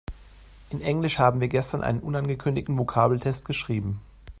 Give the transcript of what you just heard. In Englisch haben wir gestern einen unangekündigten Vokabeltest geschrieben.